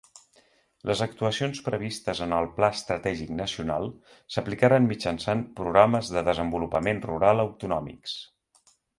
Les actuacions previstes en el Pla Estratègic Nacional s’aplicaren mitjançant Programes de Desenvolupament Rural autonòmics.